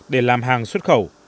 để làm hàng xuất khẩu